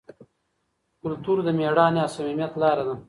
کلتور د مېړانې او صمیمیت لاره ده.